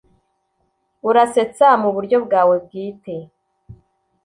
urasetsa muburyo bwawe bwite.